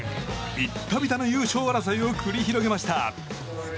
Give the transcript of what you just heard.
ビッタビタの優勝争いを繰り広げました。